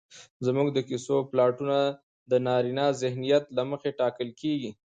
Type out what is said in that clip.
زموږ د کيسو پلاټونه د نارينه ذهنيت له مخې ټاکل کېږي